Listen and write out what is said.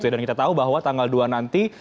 dan kita tahu bahwa tanggal dua nanti